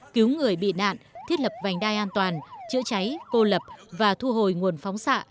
cứu người bị nạn thiết lập vành đai an toàn chữa cháy cô lập và thu hồi nguồn phóng xạ